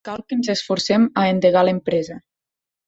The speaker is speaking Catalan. Cal que ens esforcem a endegar l'empresa.